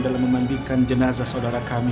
dalam memandikan jenazah saudara kami